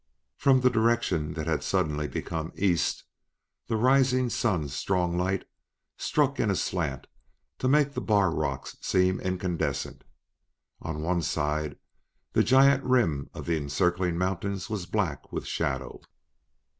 From the direction that had suddenly become "east," the rising sun's strong light struck in a slant to make the bar rocks seem incandescent. On one side the giant rim of the encircling mountains was black with shadow.